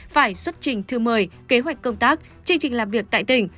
phải xuất trình thư mời kế hoạch công tác chương trình làm việc tại tỉnh